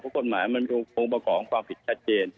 กฎหมายมันมีโครงประกอบความผิดชัดเจน